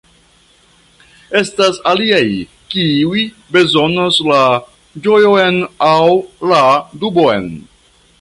Estas aliaj, kiuj bezonas la ĝojon aŭ la dubon